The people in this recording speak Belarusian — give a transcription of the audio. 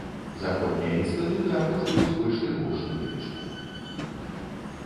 Заходнія інстытуты агучваюць больш трывожную лічбу.